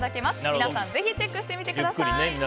皆さんぜひチェックしてみてください。